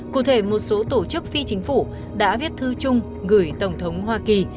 cụ thể một số tổ chức phi chính phủ đã viết thư chung gửi tổng thống hoa kỳ